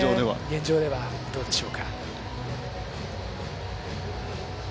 現状ではどうでしょうか。